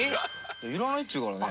いらないって言うからね。